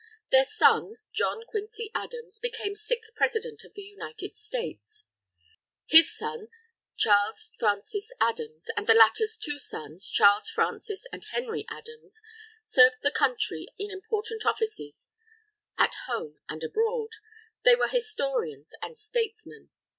Their son, John Quincy Adams, became sixth President of the United States. His son, Charles Francis Adams, and the latter's two sons, Charles Francis and Henry Adams, served the Country in important offices, at home and abroad. They were historians and statesmen.